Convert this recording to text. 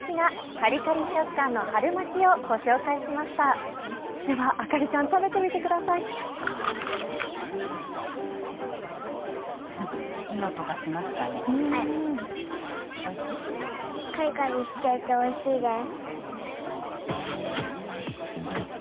カリカリしていておいしいです。